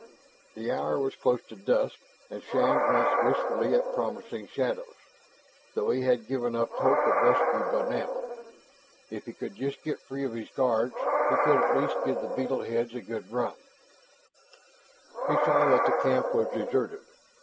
The hour was close to dusk and Shann glanced wistfully at promising shadows, though he had given up hope of rescue by now. If he could just get free of his guards, he could at least give the beetle heads a good run. He saw that the camp was deserted.